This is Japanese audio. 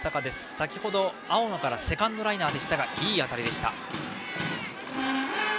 先程粟生野からセカンドランナーでしたがいい当たりでした。